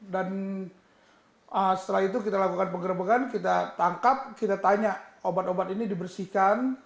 dan setelah itu kita lakukan penggerbakan kita tangkap kita tanya obat obat ini dibersihkan